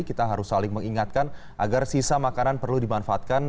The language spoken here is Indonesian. kita harus saling mengingatkan agar sisa makanan perlu dimanfaatkan